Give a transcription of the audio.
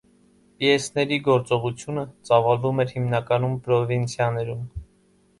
Պիեսների գործողությունը ծավալվում էր հիմնականում պրովինցիաներում։